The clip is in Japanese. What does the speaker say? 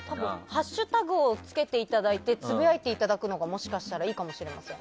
ハッシュタグをつけていただいてつぶやいていただくのがもしかしたらいいかもしれません。